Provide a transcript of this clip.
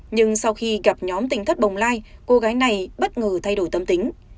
nhưng sau khi gặp nhóm tình thất bồng lai cô gái này bất ngờ thay đổi tâm tính